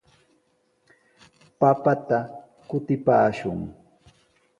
Papata kutipaashun.